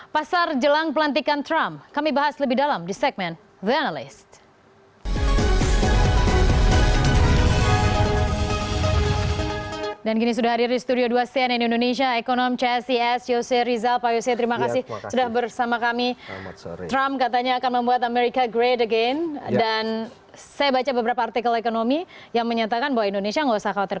pasar jelang pelantikan trump kami bahas lebih dalam di segmen the analyst